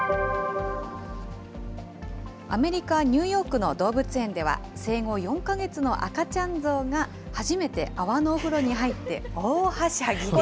アメリカ・ニューヨークの動物園では、生後４か月の赤ちゃんゾウが、初めて泡のお風呂に入って、大はしゃぎです。